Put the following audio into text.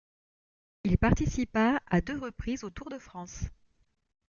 Il participa à deux reprises au Tour de France.